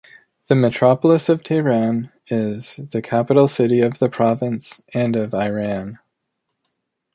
The metropolis of Tehran is the capital city of the province and of Iran.